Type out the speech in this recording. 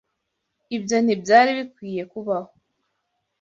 Ibyo ntibyari bikwiye kubaho.